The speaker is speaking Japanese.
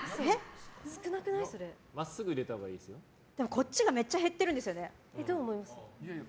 こっちがめっちゃ減っているんですよね。